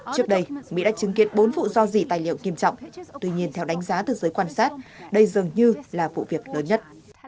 trước đây mỹ đã chứng kiến bốn vụ do dỉ tài liệu nghiêm trọng tuy nhiên theo đánh giá từ giới quan sát đây dường như là vụ việc lớn nhất